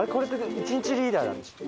一日リーダーなんでしたっけ？